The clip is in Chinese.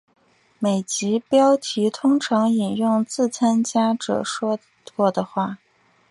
每集标题通常引用自参加者说过的话。